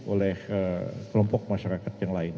oleh kelompok masyarakat yang lain